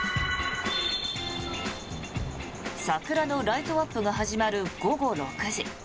桜のライトアップが始まる午後６時。